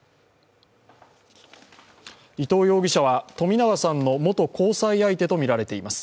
伊藤容疑者は冨永さんの元交際相手とみられています。